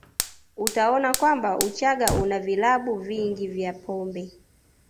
Utaona kwamba Uchaga una vilabu vingi vya pombe